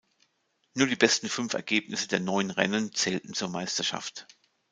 Nur die besten fünf Ergebnisse der neun Rennen zählten zur Meisterschaft.